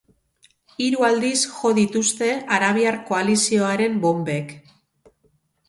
Hiru aldiz jo dituzte arabiar koalizioaren bonbek.